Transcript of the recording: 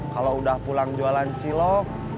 kalau udah pulang jualan cilok